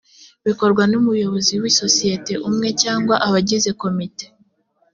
bikorwa n’umuyobozi w’isosiyete umwe cyangwa abagize komite